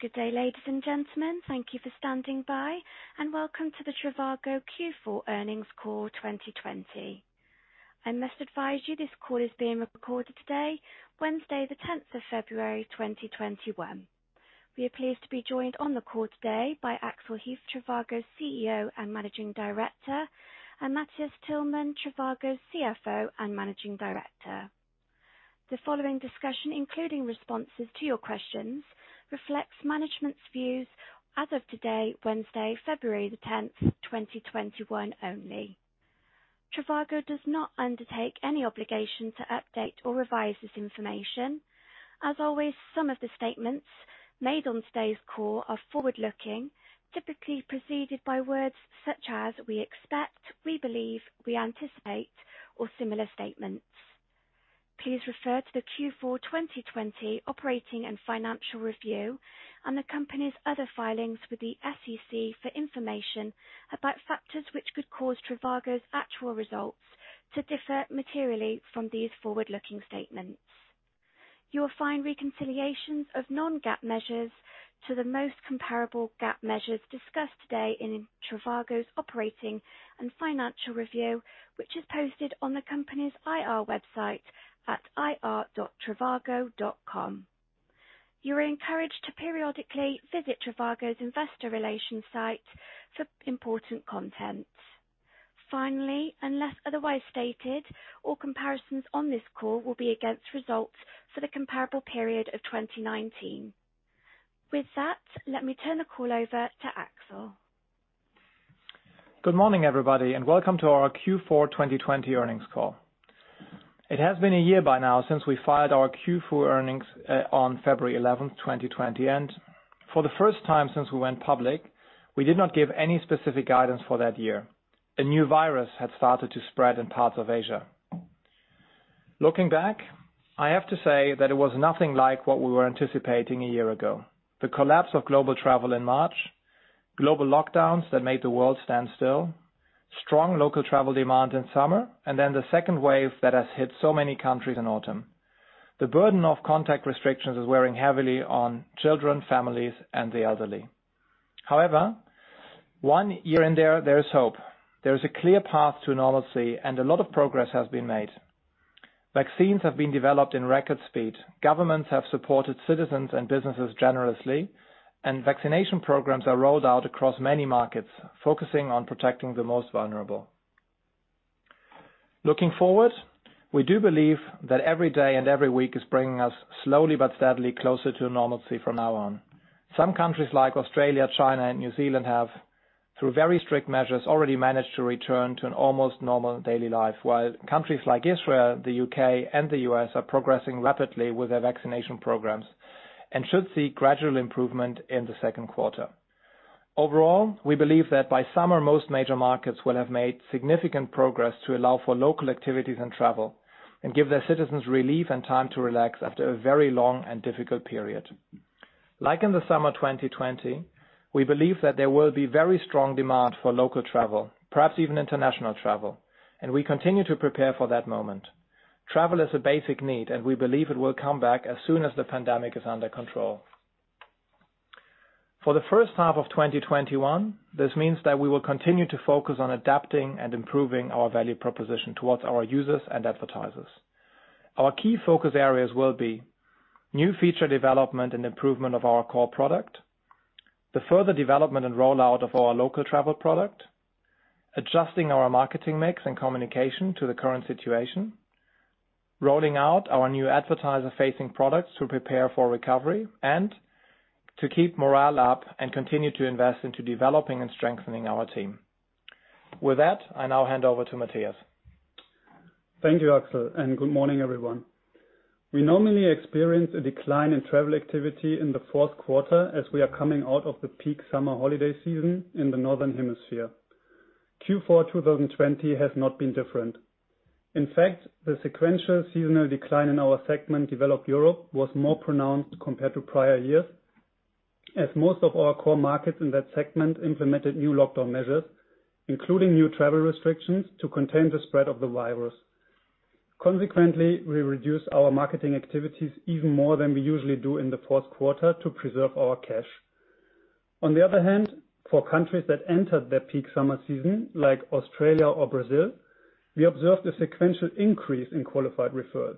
Good day, ladies and gentlemen. Thank you for standing by, and welcome to the trivago Q4 earnings call 2020. I must advise you this call is being recorded today, Wednesday, the 10th of February, 2021. We are pleased to be joined on the call today by Axel Hefer, trivago's CEO and Managing Director, and Matthias Tillmann, trivago's CFO and Managing Director. The following discussion, including responses to your questions, reflects management's views as of today, Wednesday, February the 10th, 2021 only. trivago does not undertake any obligation to update or revise this information. As always, some of the statements made on today's call are forward-looking, typically preceded by words such as "we expect," "we believe," "we anticipate" or similar statements. Please refer to the Q4 2020 operating and financial review and the company's other filings with the SEC for information about factors which could cause trivago's actual results to differ materially from these forward-looking statements. You will find reconciliations of non-GAAP measures to the most comparable GAAP measures discussed today in trivago's operating and financial review, which is posted on the company's IR website at ir.trivago.com. You are encouraged to periodically visit trivago's investor relations site for important content. Finally, unless otherwise stated, all comparisons on this call will be against results for the comparable period of 2019. With that, let me turn the call over to Axel. Good morning, everybody. Welcome to our Q4 2020 earnings call. It has been a year by now since we filed our Q4 earnings on February 11, 2020. For the first time since we went public, we did not give any specific guidance for that year. A new virus had started to spread in parts of Asia. Looking back, I have to say that it was nothing like what we were anticipating a year ago. The collapse of global travel in March, global lockdowns that made the world stand still, strong local travel demand in summer. The second wave that has hit so many countries in autumn. The burden of contact restrictions is wearing heavily on children, families, and the elderly. One year in there is hope. There is a clear path to normalcy. A lot of progress has been made. Vaccines have been developed in record speed, governments have supported citizens and businesses generously, and vaccination programs are rolled out across many markets, focusing on protecting the most vulnerable. Looking forward, we do believe that every day and every week is bringing us slowly but steadily closer to normalcy from now on. Some countries like Australia, China, and New Zealand have, through very strict measures, already managed to return to an almost normal daily life, while countries like Israel, the U.K., and the U.S. are progressing rapidly with their vaccination programs and should see gradual improvement in the second quarter. Overall, we believe that by summer, most major markets will have made significant progress to allow for local activities and travel and give their citizens relief and time to relax after a very long and difficult period. In the summer 2020, we believe that there will be very strong demand for local travel, perhaps even international travel, and we continue to prepare for that moment. Travel is a basic need, and we believe it will come back as soon as the pandemic is under control. For the first half of 2021, this means that we will continue to focus on adapting and improving our value proposition towards our users and advertisers. Our key focus areas will be new feature development and improvement of our core product, the further development and rollout of our local travel product, adjusting our marketing mix and communication to the current situation, rolling out our new advertiser-facing products to prepare for recovery and to keep morale up and continue to invest into developing and strengthening our team. With that, I now hand over to Matthias. Thank you, Axel, and good morning, everyone. We normally experience a decline in travel activity in the fourth quarter as we are coming out of the peak summer holiday season in the Northern Hemisphere. Q4 2020 has not been different. In fact, the sequential seasonal decline in our segment Developed Europe was more pronounced compared to prior years, as most of our core markets in that segment implemented new lockdown measures, including new travel restrictions to contain the spread of the virus. Consequently, we reduced our marketing activities even more than we usually do in the fourth quarter to preserve our cash. On the other hand, for countries that entered their peak summer season, like Australia or Brazil, we observed a sequential increase in Qualified Referrals.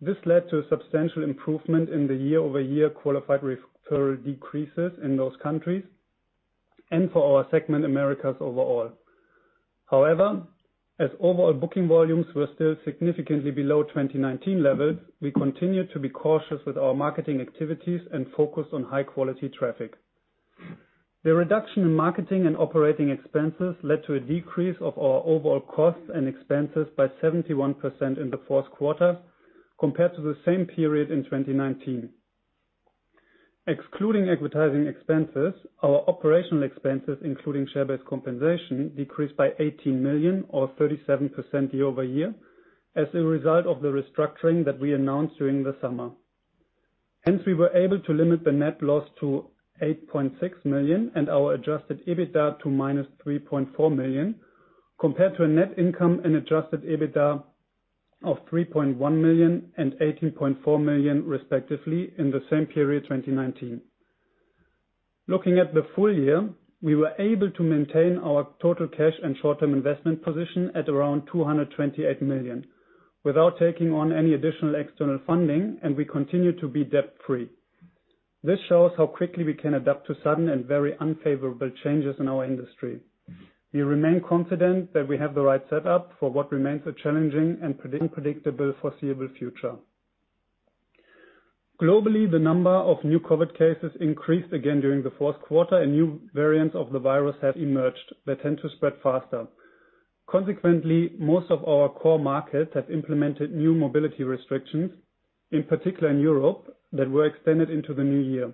This led to a substantial improvement in the year-over-year Qualified Referral decreases in those countries and for our segment, Americas overall. However, as overall booking volumes were still significantly below 2019 levels, we continued to be cautious with our marketing activities and focused on high-quality traffic. The reduction in marketing and operating expenses led to a decrease of our overall costs and expenses by 71% in the fourth quarter compared to the same period in 2019. Excluding advertising expenses, our operational expenses, including share-based compensation, decreased by 18 million or 37% year-over-year as a result of the restructuring that we announced during the summer. Hence, we were able to limit the net loss to 8.6 million and our Adjusted EBITDA to -3.4 million, compared to a net income and Adjusted EBITDA of 3.1 million and 18.4 million respectively in the same period, 2019. Looking at the full year, we were able to maintain our total cash and short-term investment position at around 228 million without taking on any additional external funding, and we continue to be debt-free. This shows how quickly we can adapt to sudden and very unfavorable changes in our industry. We remain confident that we have the right setup for what remains a challenging and unpredictable foreseeable future. Globally, the number of new COVID cases increased again during the fourth quarter, and new variants of the virus have emerged that tend to spread faster. Consequently, most of our core markets have implemented new mobility restrictions, in particular in Europe, that were extended into the new year.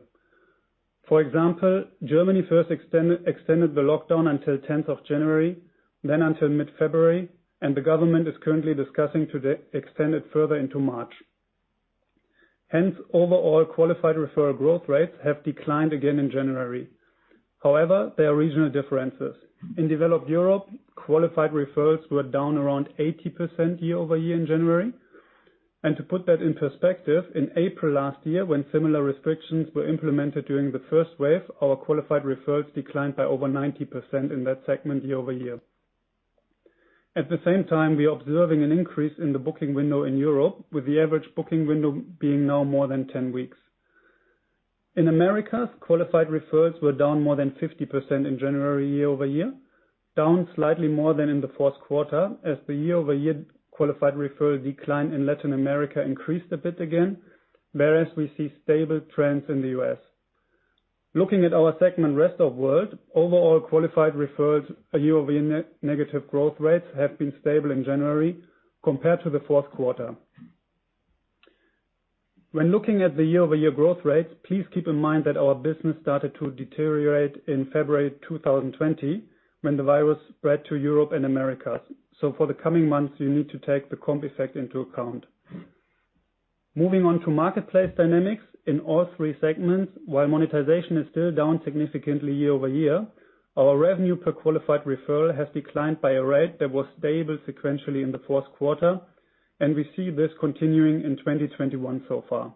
For example, Germany first extended the lockdown until 10th of January, then until mid-February, and the government is currently discussing to extend it further into March. Hence, overall qualified referral growth rates have declined again in January. However, there are regional differences. In developed Europe, qualified referrals were down around 80% year-over-year in January. To put that in perspective, in April last year, when similar restrictions were implemented during the first wave, our qualified referrals declined by over 90% in that segment year-over-year. At the same time, we are observing an increase in the booking window in Europe, with the average booking window being now more than 10 weeks. In Americas, qualified referrals were down more than 50% in January year-over-year, down slightly more than in the fourth quarter, as the year-over-year qualified referral decline in Latin America increased a bit again, whereas we see stable trends in the U.S. Looking at our segment Rest of World, overall Qualified Referrals year-over-year negative growth rates have been stable in January compared to the fourth quarter. When looking at the year-over-year growth rates, please keep in mind that our business started to deteriorate in February 2020 when the virus spread to Europe and Americas. For the coming months, you need to take the comp effect into account. Moving on to marketplace dynamics. In all three segments, while monetization is still down significantly year-over-year, our Revenue per Qualified Referral has declined by a rate that was stable sequentially in the fourth quarter, and we see this continuing in 2021 so far.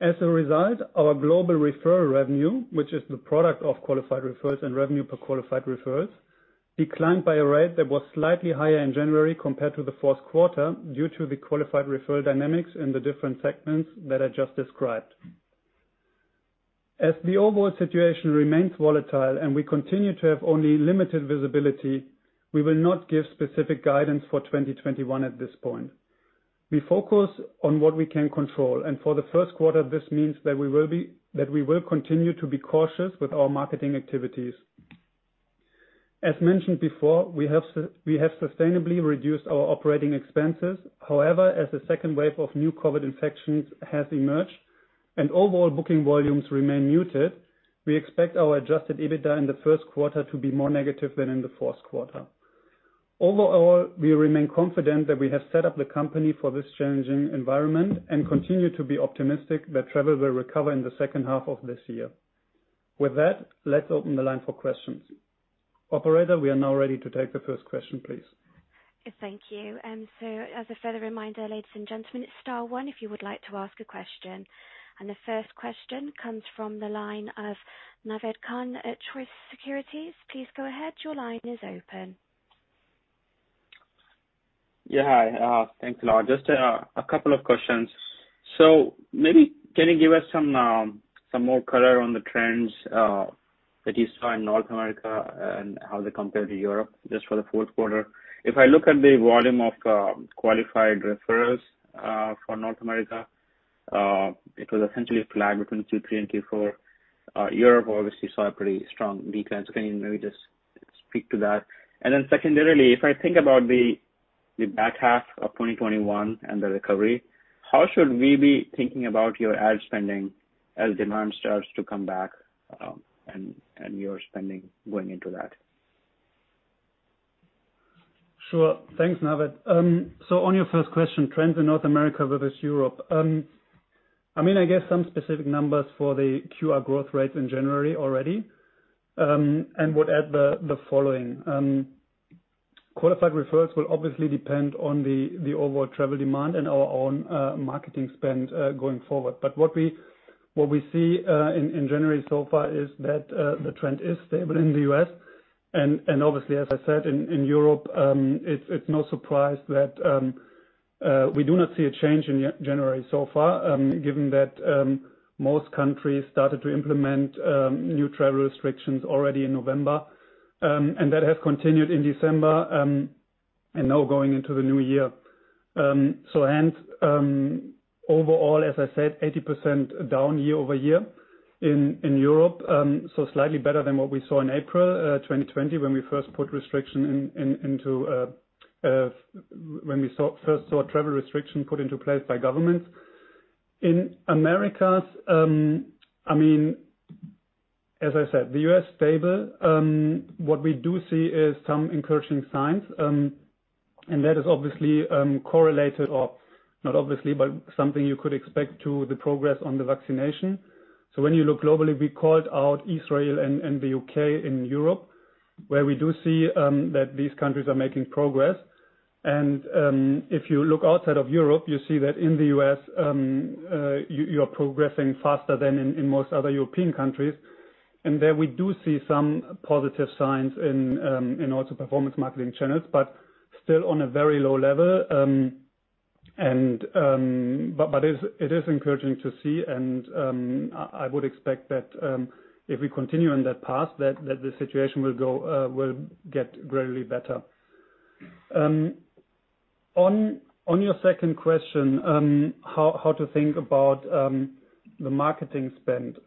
As a result, our global Referral Revenue, which is the product of Qualified Referrals and Revenue per Qualified Referral, declined by a rate that was slightly higher in January compared to the fourth quarter due to the Qualified Referral dynamics in the different segments that I just described. As the overall situation remains volatile and we continue to have only limited visibility, we will not give specific guidance for 2021 at this point. We focus on what we can control. For the first quarter, this means that we will continue to be cautious with our marketing activities. As mentioned before, we have sustainably reduced our operating expenses. However, as the second wave of new COVID infections has emerged and overall booking volumes remain muted, we expect our Adjusted EBITDA in the first quarter to be more negative than in the fourth quarter. Overall, we remain confident that we have set up the company for this challenging environment and continue to be optimistic that travel will recover in the second half of this year. With that, let's open the line for questions. Operator, we are now ready to take the first question, please. Thank you. As a further reminder, ladies and gentlemen, star one if you would like to ask a question. The first question comes from the line of Naved Khan at Truist Securities. Please go ahead. Your line is open. Yeah. Thanks a lot. Just a couple of questions. Maybe can you give us some more color on the trends that you saw in North America and how they compare to Europe just for the fourth quarter? If I look at the volume of Qualified Referrals for North America, it was essentially flat between Q3 and Q4. Europe obviously saw a pretty strong decline. Can you maybe just speak to that? Secondarily, if I think about the back half of 2021 and the recovery, how should we be thinking about your ad spending as demand starts to come back and your spending going into that? Sure. Thanks, Naved. On your first question, trends in North America versus Europe. I mean, I gave some specific numbers for the QR growth rate in January already, and would add the following. Qualified Referrals will obviously depend on the overall travel demand and our own marketing spend going forward. What we see in January so far is that the trend is stable in the U.S. Obviously, as I said, in Europe, it's no surprise that we do not see a change in January so far, given that most countries started to implement new travel restrictions already in November. That has continued in December, and now going into the new year. Hence, overall, as I said, 80% down year-over-year in Europe, so slightly better than what we saw in April 2020 when we first saw travel restriction put into place by governments. In Americas, as I said, the U.S. stable. What we do see is some encouraging signs, and that is obviously correlated or not obviously, but something you could expect to the progress on the vaccination. When you look globally, we called out Israel and the U.K. and Europe, where we do see that these countries are making progress. If you look outside of Europe, you see that in the U.S., you're progressing faster than in most other European countries. There we do see some positive signs in also performance marketing channels, but still on a very low level. It is encouraging to see, and I would expect that if we continue on that path, that the situation will get gradually better. On your second question, how to think about the marketing spend.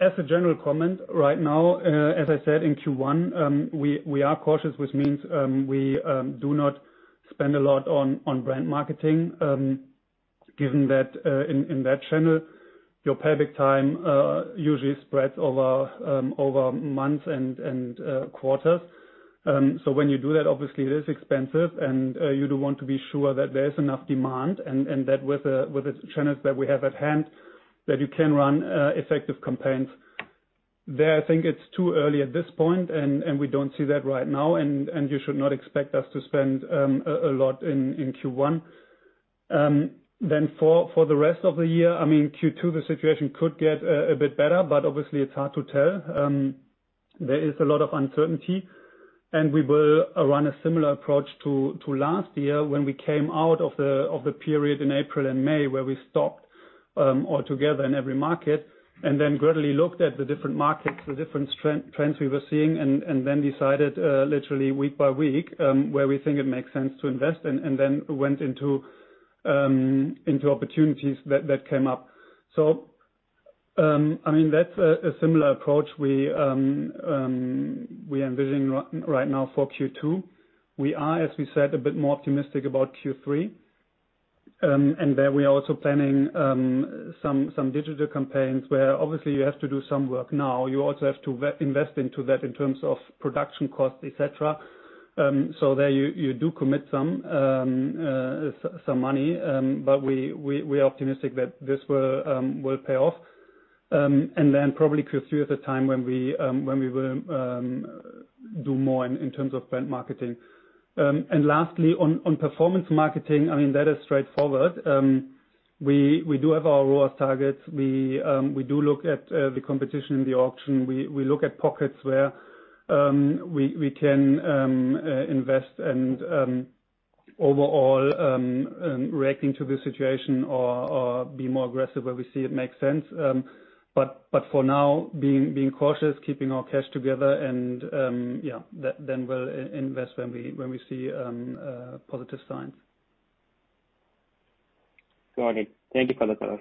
As a general comment right now, as I said, in Q1, we are cautious, which means we do not spend a lot on brand marketing, given that in that channel, your payback time usually spreads over months and quarters. When you do that, obviously it is expensive and you do want to be sure that there is enough demand, and that with the channels that we have at hand, that you can run effective campaigns. There, I think it is too early at this point, and we don't see that right now. You should not expect us to spend a lot in Q1. For the rest of the year, Q2, the situation could get a bit better, but obviously it's hard to tell. There is a lot of uncertainty, and we will run a similar approach to last year when we came out of the period in April and May, where we stopped altogether in every market. Then gradually looked at the different markets, the different trends we were seeing, and then decided, literally week by week, where we think it makes sense to invest and then went into opportunities that came up. That's a similar approach we envision right now for Q2. We are, as we said, a bit more optimistic about Q3. There we are also planning some digital campaigns where obviously you have to do some work now. You also have to invest into that in terms of production costs, et cetera. There you do commit some money, but we are optimistic that this will pay off. Then probably Q3 is the time when we will do more in terms of brand marketing. Lastly, on performance marketing, that is straightforward. We do have our ROAS targets. We do look at the competition in the auction. We look at pockets where we can invest and overall reacting to the situation or be more aggressive where we see it makes sense. For now, being cautious, keeping our cash together and then we'll invest when we see positive signs. Got it. Thank you for the color.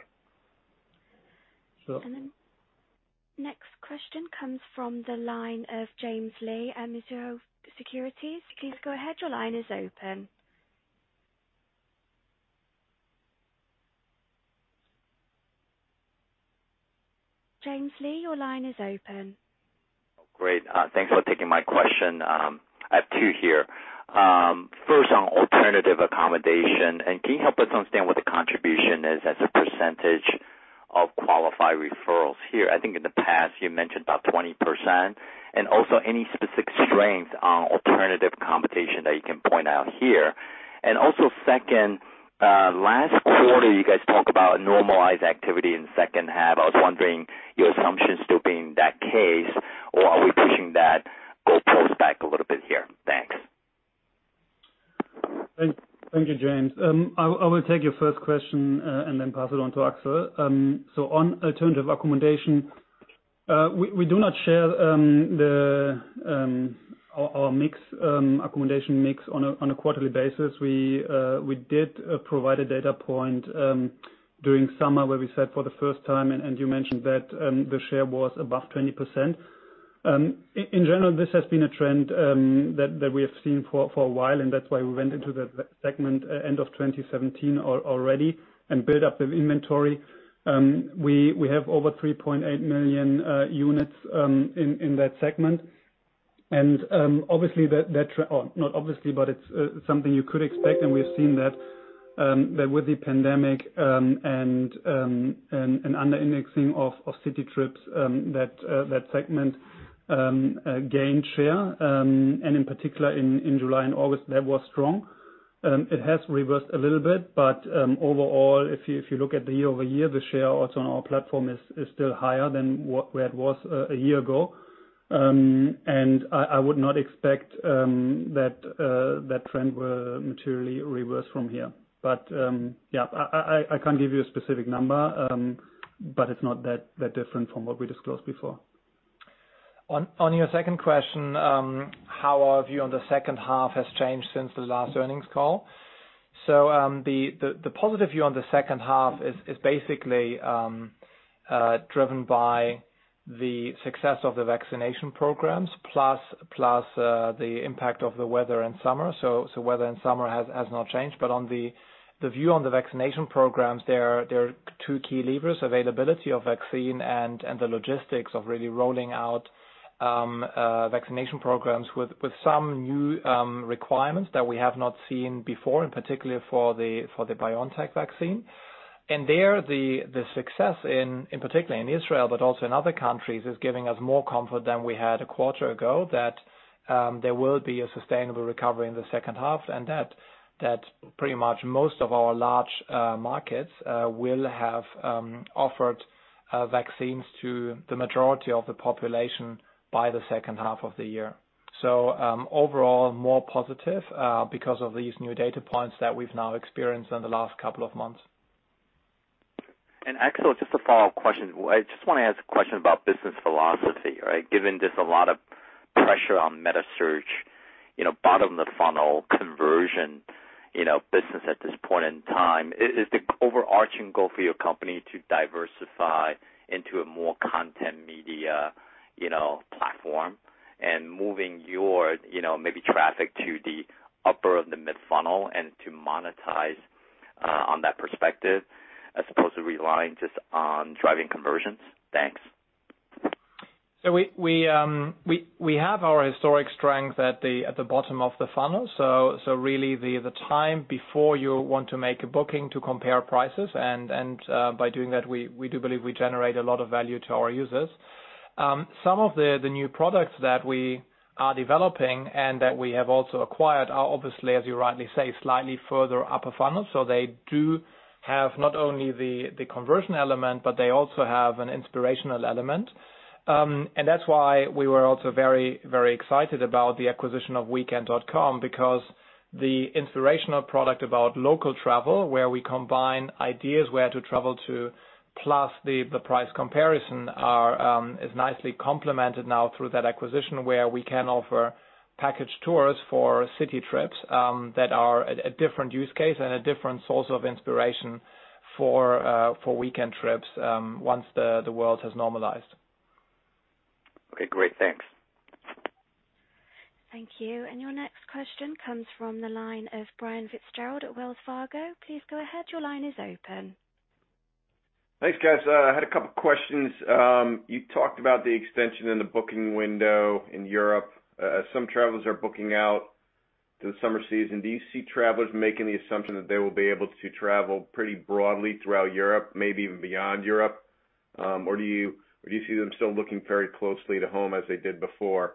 Next question comes from the line of James Lee at Mizuho Securities. Please go ahead. Your line is open. James Lee, your line is open. Oh, great. Thanks for taking my question. I have two here. First, on alternative accommodation. Can you help us understand what the contribution is as a percentage of Qualified Referrals here? I think in the past, you mentioned about 20%. Also any specific strengths on alternative accommodation that you can point out here. Also second, last quarter, you guys talked about normalized activity in second half. I was wondering your assumptions still being that case, or are we pushing that goalpost back a little bit here? Thanks. Thank you, James. I will take your first question, and then pass it on to Axel. On alternative accommodation, we do not share our accommodation mix on a quarterly basis. We did provide a data point during summer where we said for the first time, and you mentioned that the share was above 20%. In general, this has been a trend that we have seen for a while, and that's why we went into that segment end of 2017 already and built up the inventory. We have over 3.8 million units in that segment. Obviously, not obviously, but it's something you could expect, and we have seen that with the pandemic, and an under-indexing of city trips, that segment gained share. In particular in July and August, that was strong. It has reversed a little bit. Overall, if you look at the year-over-year, the share also on our platform is still higher than where it was a year ago. I would not expect that trend will materially reverse from here. I can't give you a specific number, but it's not that different from what we disclosed before. On your second question, how our view on the second half has changed since the last earnings call. The positive view on the second half is basically driven by the success of the vaccination programs, plus the impact of the weather in summer. Weather in summer has not changed, but on the view on the vaccination programs, there are two key levers, availability of vaccine and the logistics of really rolling out vaccination programs with some new requirements that we have not seen before, in particular for the BioNTech vaccine. There, the success, particularly in Israel, but also in other countries, is giving us more comfort than we had a quarter ago that there will be a sustainable recovery in the second half, and that pretty much most of our large markets will have offered vaccines to the majority of the population by the second half of the year. Overall, more positive because of these new data points that we've now experienced in the last couple of months. Axel, just a follow-up question. I just want to ask a question about business philosophy, right? Given there's a lot of pressure on metasearch, bottom-of-the-funnel conversion business at this point in time, is the overarching goal for your company to diversify into a more content media platform and moving your maybe traffic to the upper-of-the-mid funnel and to monetize on that perspective as opposed to relying just on driving conversions? Thanks. We have our historic strength at the bottom of the funnel. Really, the time before you want to make a booking to compare prices, and by doing that, we do believe we generate a lot of value to our users. Some of the new products that we are developing and that we have also acquired are obviously, as you rightly say, slightly further upper funnel. They do have not only the conversion element, but they also have an inspirational element. That's why we were also very excited about the acquisition of weekend.com because the inspirational product about local travel, where we combine ideas where to travel to, plus the price comparison, is nicely complemented now through that acquisition, where we can offer package tours for city trips, that are a different use case and a different source of inspiration for weekend trips once the world has normalized. Okay, great. Thanks. Thank you. Your next question comes from the line of Brian Fitzgerald at Wells Fargo. Please go ahead. Your line is open. Thanks, guys. I had a couple questions. You talked about the extension in the booking window in Europe. Some travelers are booking out to the summer season. Do you see travelers making the assumption that they will be able to travel pretty broadly throughout Europe, maybe even beyond Europe? Or do you see them still looking very closely to home as they did before?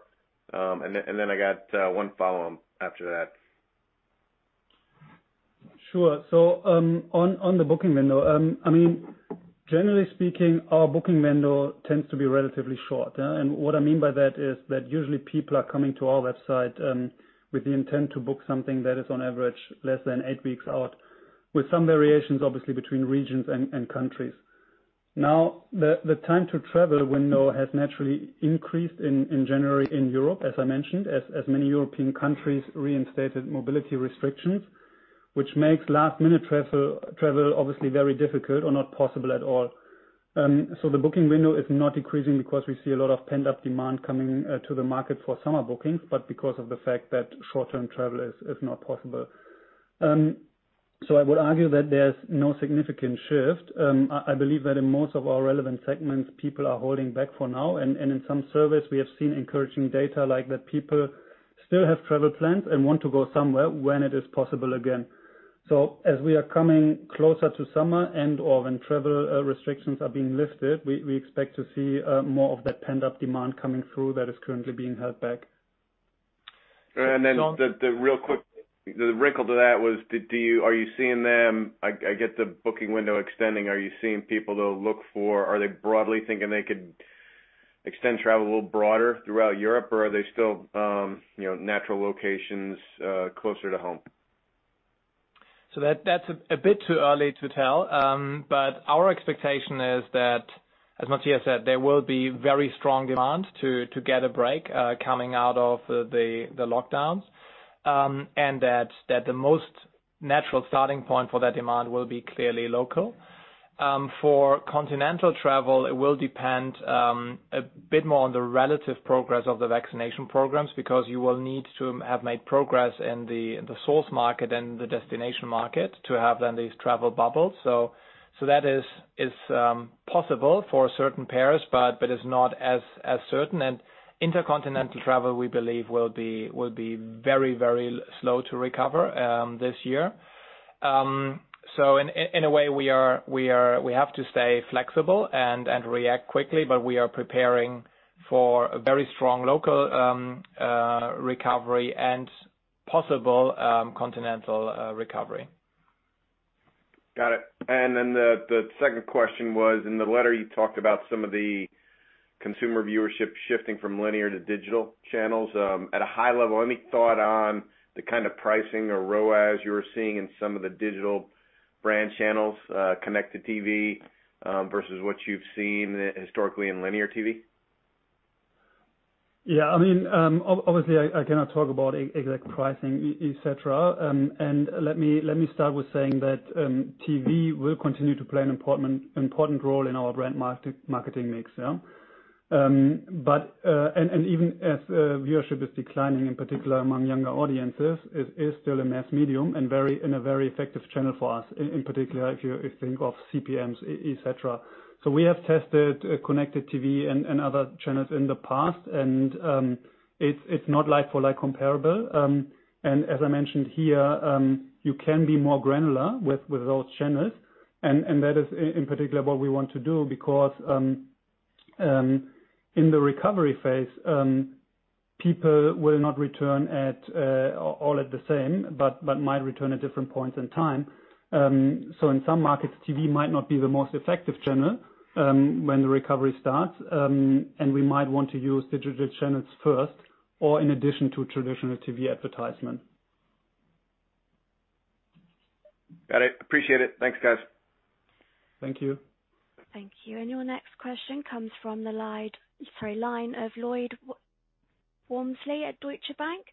Then I got one follow-on after that. Sure. On the booking window, generally speaking, our booking window tends to be relatively short. What I mean by that is that usually people are coming to our website with the intent to book something that is on average less than eight weeks out, with some variations, obviously, between regions and countries. The time-to-travel window has naturally increased in January in Europe, as I mentioned, as many European countries reinstated mobility restrictions, which makes last-minute travel obviously very difficult or not possible at all. The booking window is not decreasing because we see a lot of pent-up demand coming to the market for summer bookings, but because of the fact that short-term travel is not possible. I would argue that there's no significant shift. I believe that in most of our relevant segments, people are holding back for now. In some surveys, we have seen encouraging data like that people still have travel plans and want to go somewhere when it is possible again. As we are coming closer to summer and/or when travel restrictions are being lifted, we expect to see more of that pent-up demand coming through that is currently being held back. The real quick wrinkle to that was, I get the booking window extending. Are you seeing people that'll look? Are they broadly thinking they could extend travel a little broader throughout Europe, or are they still natural locations, closer to home? That's a bit too early to tell. Our expectation is that, as Matthias said, there will be very strong demand to get a break, coming out of the lockdowns. That the most natural starting point for that demand will be clearly local. For continental travel, it will depend a bit more on the relative progress of the vaccination programs, because you will need to have made progress in the source market and the destination market to have then these travel bubbles. That is possible for certain pairs, but is not as certain. Intercontinental travel, we believe, will be very slow to recover this year. In a way, we have to stay flexible and react quickly, but we are preparing for a very strong local recovery and possible continental recovery. Got it. The second question was, in the letter, you talked about some of the consumer viewership shifting from linear to digital channels. At a high level, any thought on the kind of pricing or ROAS you are seeing in some of the digital brand channels, Connected TV, versus what you've seen historically in linear TV? Yeah. Obviously, I cannot talk about exact pricing, et cetera. Let me start with saying that TV will continue to play an important role in our brand marketing mix. Even as viewership is declining, in particular among younger audiences, it is still a mass medium and a very effective channel for us, in particular, if you think of CPMs, et cetera. We have tested Connected TV and other channels in the past, and it's not like-for-like comparable. As I mentioned here, you can be more granular with those channels. That is in particular what we want to do because. In the recovery phase, people will not return all at the same, but might return at different points in time. In some markets, TV might not be the most effective channel when the recovery starts, and we might want to use digital channels first, or in addition to traditional TV advertisement. Got it. Appreciate it. Thanks, guys. Thank you. Thank you. Your next question comes from the line of Lloyd Walmsley at Deutsche Bank.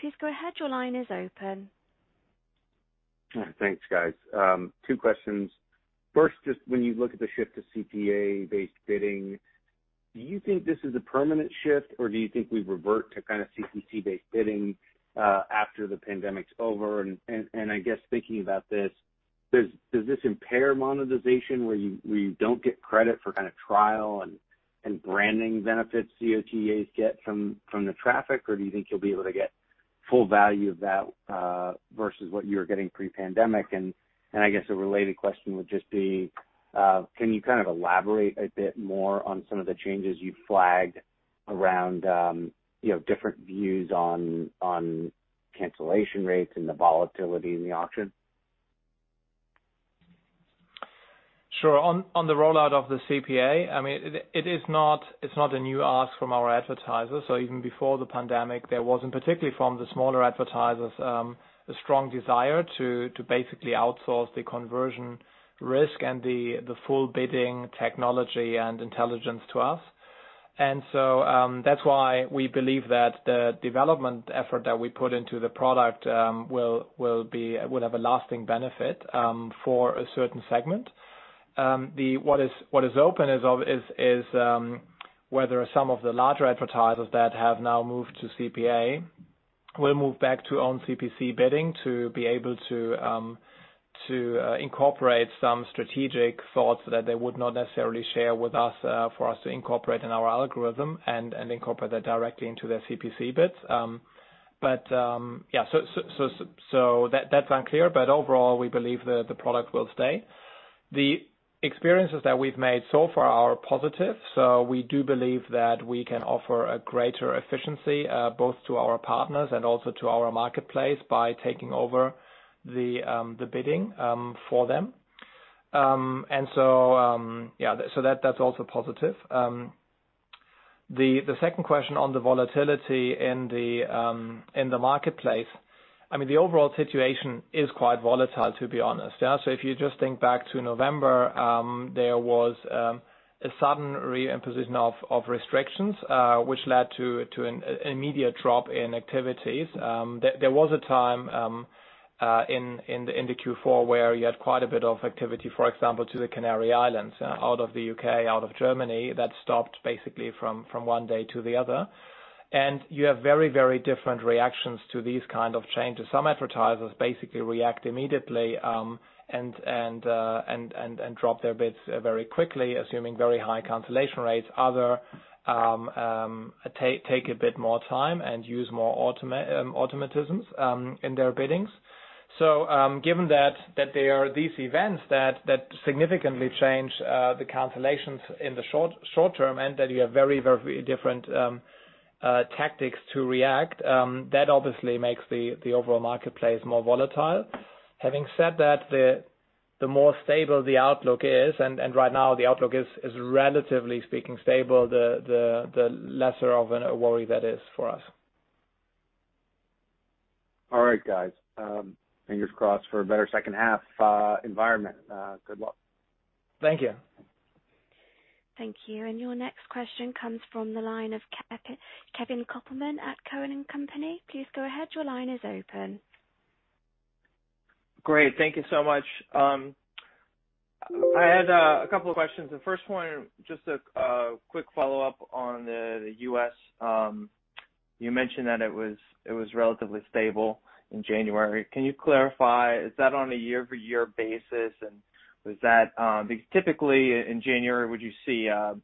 Please go ahead. Your line is open. Thanks, guys. Two questions. First, just when you look at the shift to CPA-based bidding, do you think this is a permanent shift, or do you think we revert to kind of CPC-based bidding after the pandemic's over? I guess thinking about this, does this impair monetization where you don't get credit for kind of trial and branding benefits OTAs get from the traffic? Do you think you'll be able to get full value of that versus what you were getting pre-pandemic? I guess a related question would just be, can you kind of elaborate a bit more on some of the changes you flagged around different views on cancellation rates and the volatility in the auction? Sure. On the rollout of the CPA, it's not a new ask from our advertisers. Even before the pandemic, there wasn't, particularly from the smaller advertisers, a strong desire to basically outsource the conversion risk and the full bidding technology and intelligence to us. That's why we believe that the development effort that we put into the product will have a lasting benefit for a certain segment. What is open is whether some of the larger advertisers that have now moved to CPA will move back to own CPC bidding to be able to incorporate some strategic thoughts that they would not necessarily share with us for us to incorporate in our algorithm and incorporate that directly into their CPC bids. Yeah, that's unclear, but overall, we believe that the product will stay. The experiences that we've made so far are positive, so we do believe that we can offer a greater efficiency, both to our partners and also to our marketplace by taking over the bidding for them. Yeah, that's also positive. The second question on the volatility in the marketplace, I mean, the overall situation is quite volatile, to be honest. Yeah. If you just think back to November, there was a sudden re-imposition of restrictions, which led to an immediate drop in activities. There was a time in the Q4 where you had quite a bit of activity, for example, to the Canary Islands, out of the U.K., out of Germany. That stopped basically from one day to the other. You have very different reactions to these kind of changes. Some advertisers basically react immediately and drop their bids very quickly, assuming very high cancellation rates. Other take a bit more time and use more automatisms in their biddings. Given that there are these events that significantly change the cancellations in the short term, and that you have very different tactics to react, that obviously makes the overall marketplace more volatile. Having said that, the more stable the outlook is, and right now the outlook is, relatively speaking, stable, the lesser of a worry that is for us. All right, guys. Fingers crossed for a better second half environment. Good luck. Thank you. Thank you. Your next question comes from the line of Kevin Kopelman at Cowen and Company. Please go ahead. Your line is open. Great. Thank you so much. I had a couple of questions. The first one, just a quick follow-up on the U.S. You mentioned that it was relatively stable in January. Can you clarify, is that on a year-over-year basis? Typically in January, would you see a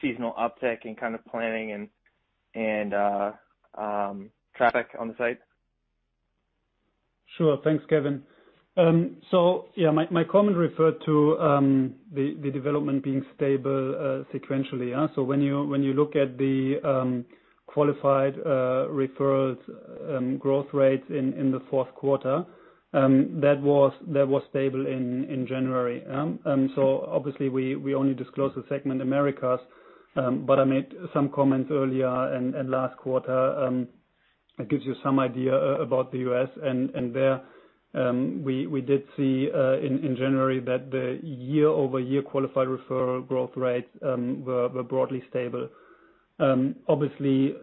seasonal uptick in kind of planning and traffic on the site? Sure. Thanks, Kevin. My comment referred to the development being stable sequentially. When you look at the Qualified Referrals growth rates in the fourth quarter, that was stable in January. Obviously we only disclose the segment Americas, but I made some comments earlier in last quarter that gives you some idea about the U.S., and there we did see in January that the year-over-year Qualified Referral growth rates were broadly stable. Obviously,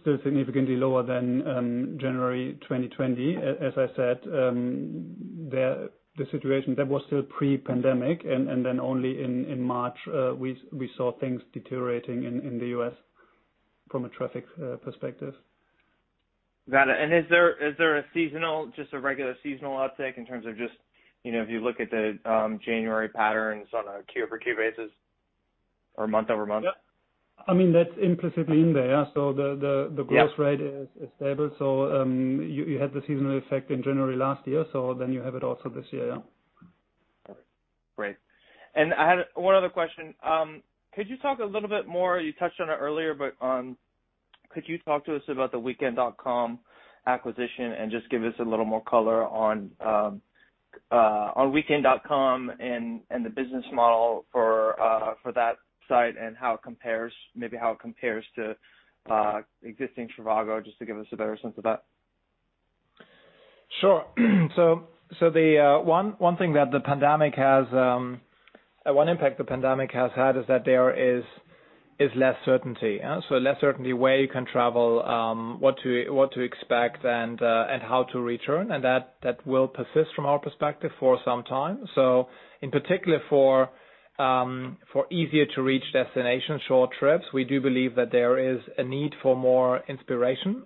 still significantly lower than January 2020. As I said, the situation there was still pre-pandemic, and then only in March we saw things deteriorating in the U.S. from a traffic perspective. Got it. Is there a seasonal, just a regular seasonal uptick in terms of just if you look at the January patterns on a quarter-over-quarter basis or month-over-month? Yeah. I mean, that's implicitly in there. Yeah. Yeah growth rate is stable. You had the seasonal effect in January last year, so then you have it also this year. Great. I had one other question. Could you talk a little bit more, you touched on it earlier, but could you talk to us about the weekend.com acquisition and just give us a little more color on weekend.com and the business model for that site, and maybe how it compares to existing trivago, just to give us a better sense of that? Sure. One impact the pandemic has had is that there is less certainty. Less certainty where you can travel, what to expect and how to return, and that will persist from our perspective for some time. In particular for easier-to-reach destination short trips, we do believe that there is a need for more inspiration.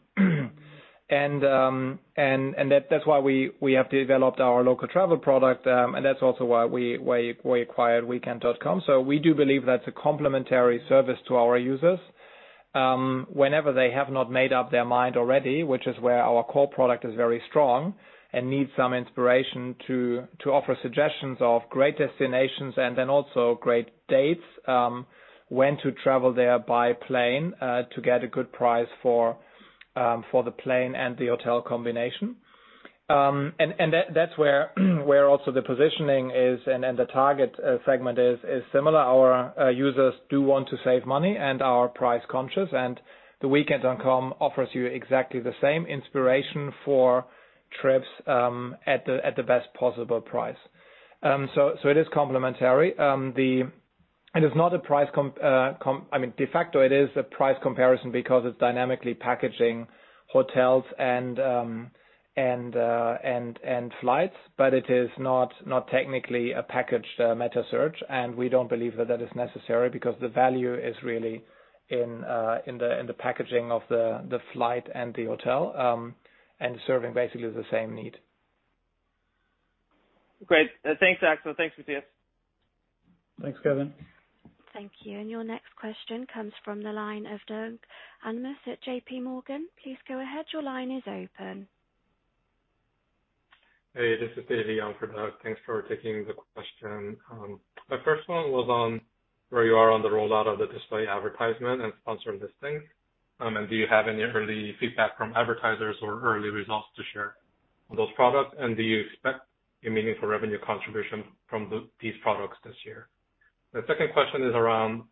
That's why we have developed our local travel product, and that's also why we acquired weekend.com. We do believe that's a complementary service to our users. Whenever they have not made up their mind already, which is where our core product is very strong, and need some inspiration to offer suggestions of great destinations and then also great dates, when to travel there by plane to get a good price for the plane and the hotel combination. That's where also the positioning is and the target segment is similar. Our users do want to save money and are price-conscious, and the weekend.com offers you exactly the same inspiration for trips at the best possible price. It is complementary. De facto it is a price comparison because it's dynamically packaging hotels and flights, but it is not technically a packaged metasearch, and we don't believe that that is necessary because the value is really in the packaging of the flight and the hotel, and serving basically the same need. Great. Thanks, Axel. Thanks, Matthias. Thanks, Kevin. Thank you. Your next question comes from the line of Doug Anmuth at JPMorgan. Please go ahead. Hey, this is Dae Lee for Doug. Thanks for taking the question. My first one was on where you are on the rollout of the Display Ads and Sponsored Listings. Do you have any early feedback from advertisers or early results to share on those products? Do you expect a meaningful revenue contribution from these products this year? The second question is around,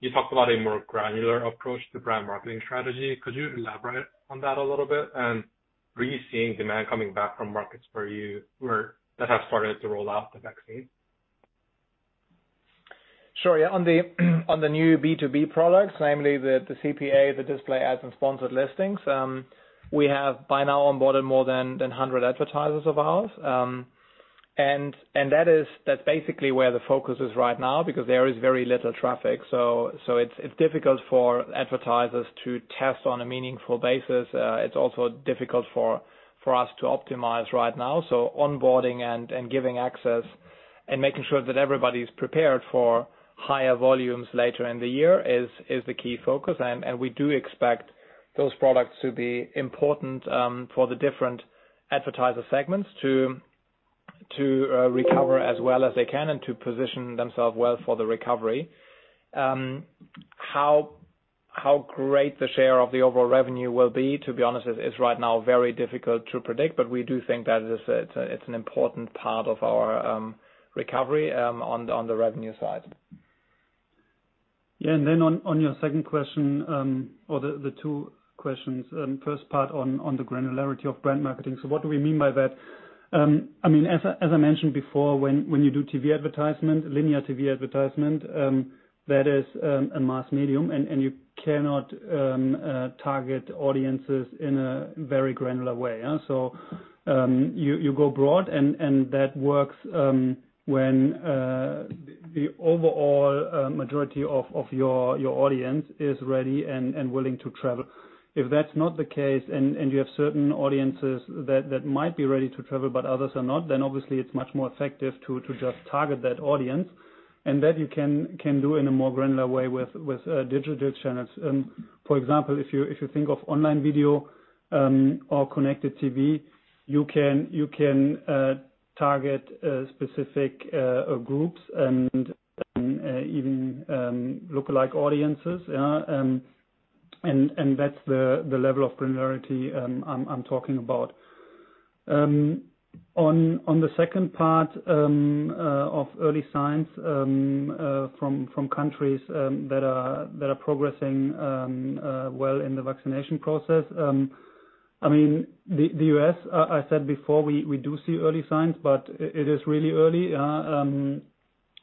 you talked about a more granular approach to brand marketing strategy. Could you elaborate on that a little bit? Are you seeing demand coming back from markets that have started to roll out the vaccine? Sure. Yeah, on the new B2B products, namely the CPA, the Display Ads, and Sponsored Listings, we have by now onboarded more than 100 advertisers of ours. That's basically where the focus is right now because there is very little traffic, so it's difficult for advertisers to test on a meaningful basis. It's also difficult for us to optimize right now. Onboarding and giving access and making sure that everybody's prepared for higher volumes later in the year is the key focus. We do expect those products to be important for the different advertiser segments to recover as well as they can and to position themselves well for the recovery. How great the share of the overall revenue will be, to be honest, is right now very difficult to predict, but we do think that it's an important part of our recovery on the revenue side. Then on your second question, or the two questions, first part on the granularity of brand marketing. What do we mean by that? As I mentioned before, when you do TV advertisement, linear TV advertisement, that is a mass medium and you cannot target audiences in a very granular way. You go broad and that works when the overall majority of your audience is ready and willing to travel. If that's not the case and you have certain audiences that might be ready to travel but others are not, then obviously it's much more effective to just target that audience. That you can do in a more granular way with digital channels. For example, if you think of online video or Connected TV, you can target specific groups and even lookalike audiences. That's the level of granularity I'm talking about. On the second part of early signs from countries that are progressing well in the vaccination process. The U.S., I said before, we do see early signs, it is really early.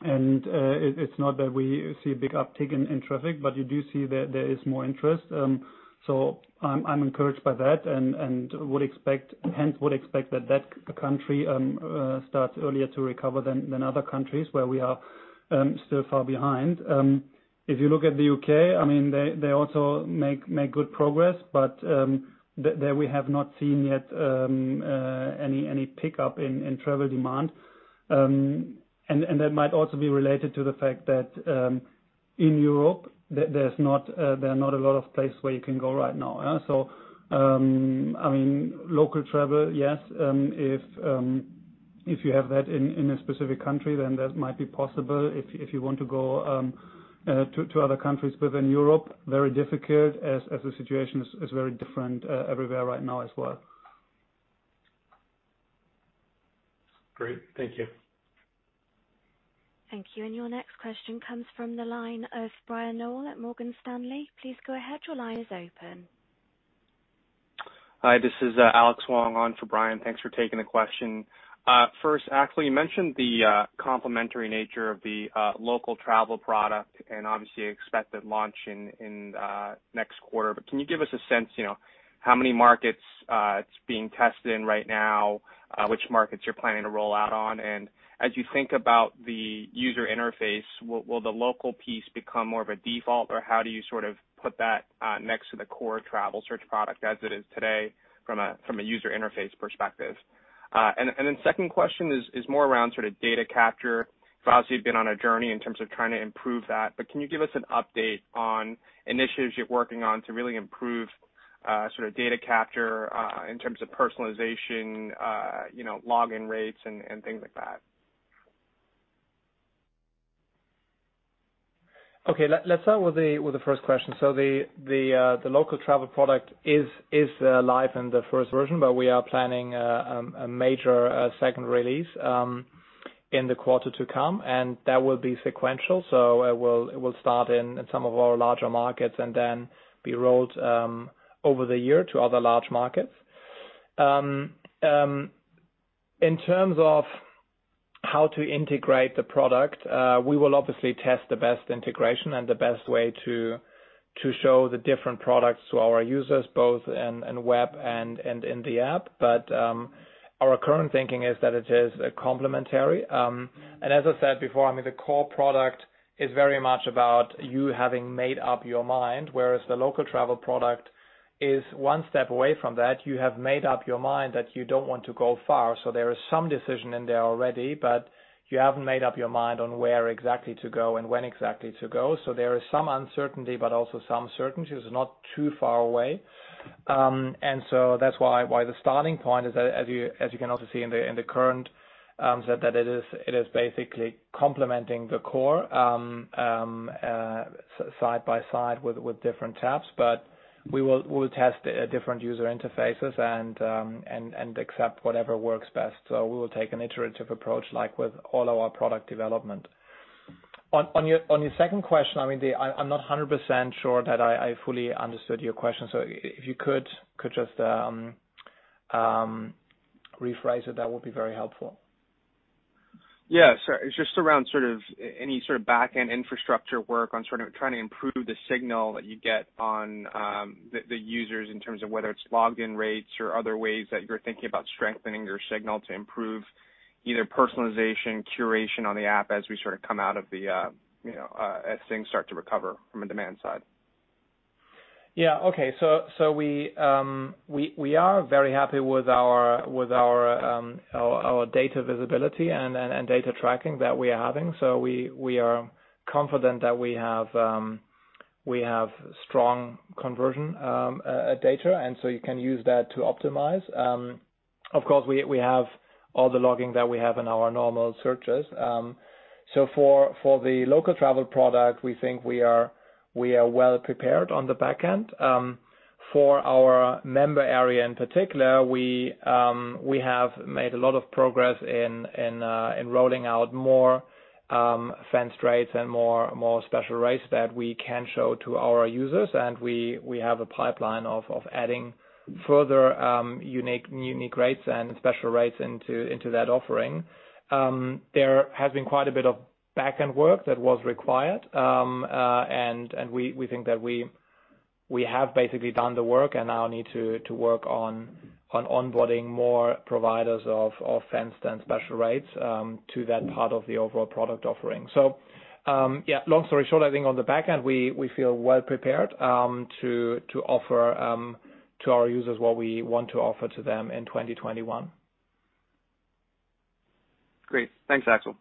It's not that we see a big uptick in traffic, you do see that there is more interest. I'm encouraged by that and hence would expect that that country starts earlier to recover than other countries where we are still far behind. If you look at the U.K., they also make good progress, there we have not seen yet any pickup in travel demand. That might also be related to the fact that in Europe, there are not a lot of places where you can go right now. Local travel, yes. If you have that in a specific country, then that might be possible. If you want to go to other countries within Europe, very difficult as the situation is very different everywhere right now as well. Great. Thank you. Thank you. Your next question comes from the line of Brian Nowak at Morgan Stanley. Please go ahead. Your line is open. Hi, this is Alex Wong on for Brian. Thanks for taking the question. First, Axel, you mentioned the complementary nature of the local travel product and obviously expected launch in next quarter. Can you give us a sense, how many markets it's being tested in right now, which markets you're planning to roll out on? As you think about the user interface, will the local piece become more of a default, or how do you sort of put that next to the core travel search product as it is today from a user interface perspective? Second question is more around sort of data capture. Obviously, you've been on a journey in terms of trying to improve that, but can you give us an update on initiatives you're working on to really improve sort of data capture, in terms of personalization, login rates and things like that? Let's start with the first question. The local travel product is live in the first version, but we are planning a major second release in the quarter to come, and that will be sequential. It will start in some of our larger markets and then be rolled over the year to other large markets. In terms of how to integrate the product, we will obviously test the best integration and the best way to show the different products to our users, both in web and in the app. Our current thinking is that it is complementary. As I said before, the core product is very much about you having made up your mind, whereas the local travel product is one step away from that. You have made up your mind that you don't want to go far. There is some decision in there already, but you haven't made up your mind on where exactly to go and when exactly to go. There is some uncertainty, but also some certainty. It's not too far away. That's why the starting point is that, as you can also see in the current, that it is basically complementing the core, side by side with different tabs. We will test different user interfaces and accept whatever works best. We will take an iterative approach, like with all our product development. On your second question, I'm not 100% sure that I fully understood your question. If you could just rephrase it, that would be very helpful. Yeah, sure. It's just around any sort of back-end infrastructure work on trying to improve the signal that you get on the users in terms of whether it's login rates or other ways that you're thinking about strengthening your signal to improve either personalization, curation on the app as things start to recover from a demand side. Yeah. Okay. We are very happy with our data visibility and data tracking that we are having. We are confident that we have strong conversion data, you can use that to optimize. Of course, we have all the logging that we have in our normal searches. For the local travel product, we think we are well-prepared on the back-end. For our member area in particular, we have made a lot of progress in rolling out more fenced rates and more special rates that we can show to our users, and we have a pipeline of adding further unique rates and special rates into that offering. There has been quite a bit of back-end work that was required. We think that we have basically done the work and now need to work on onboarding more providers of fenced and special rates to that part of the overall product offering. Yeah, long story short, I think on the back-end, we feel well-prepared to offer to our users what we want to offer to them in 2021. Great. Thanks, Axel.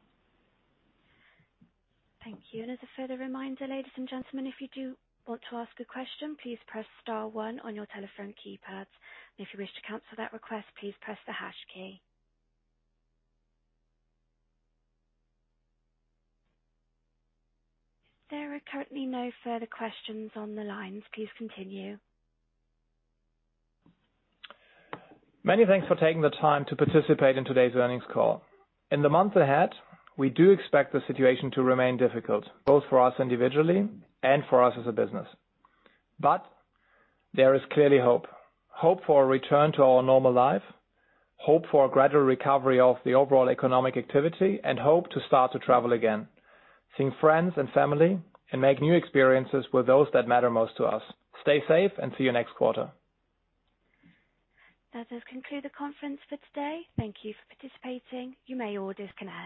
Thank you. And as a further reminder, ladies and gentlemen, if you do want to ask a question, please press star one on your telephone keypads. If you wish to cancel that request, please press the hash key. There are currently no further questions on the lines. Please continue. Many thanks for taking the time to participate in today's earnings call. In the months ahead, we do expect the situation to remain difficult, both for us individually and for us as a business. There is clearly hope. Hope for a return to our normal life, hope for a gradual recovery of the overall economic activity, and hope to start to travel again, seeing friends and family, and make new experiences with those that matter most to us. Stay safe, and see you next quarter. That does conclude the conference for today. Thank you for participating. You may all disconnect.